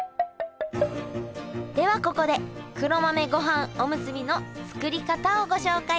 ではここで黒豆ごはんおむすびの作り方をご紹介。